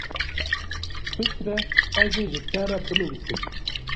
Piştre ez ê ji te re binivîsim.